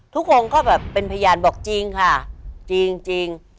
ทุกองค์ก็แบบเป็นพยานบอกจริงค่ะจริง